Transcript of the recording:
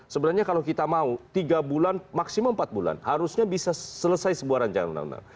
sebenarnya kalau kita mau tiga bulan maksimal empat bulan harusnya bisa selesai sebuah ruu